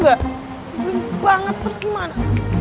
gue bener banget terus gimana